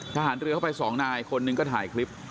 ทหารเรือเข้าไปสองนายคนหนึ่งก็ถ่ายคลิป